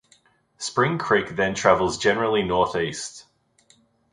Spring Creek then travels generally northeast.